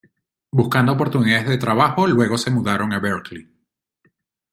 Buscando oportunidades de trabajo, luego se mudaron a Berkeley.